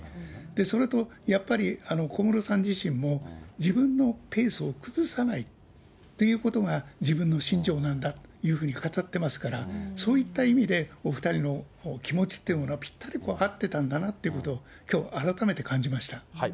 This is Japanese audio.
それとやっぱり、小室さん自身も、自分のペースを崩さないということが自分の信条なんだというふうに語ってますから、そういった意味で、お２人の気持ちというものはぴったり合ってたんだなということを、きょう改めて感じました。